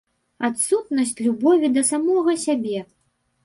Адсутнасць любові да самога сябе.